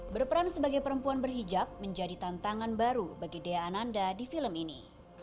berperan sebagai perempuan berhijab menjadi tantangan baru bagi dea ananda di film ini